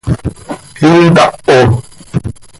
¿Intaho?